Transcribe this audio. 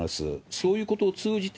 そういうことを通じて、